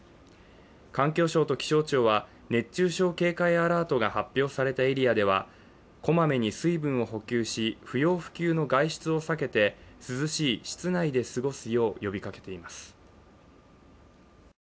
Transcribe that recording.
環境省と気象庁は熱中症警戒アラートが発表されたエリアでは、こまめに水分を補給し不要不急の外出を避けて、下の子も ＫＵＭＯＮ を始めた